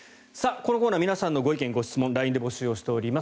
このコーナー皆さんのご意見・ご質問をＬＩＮＥで募集しています。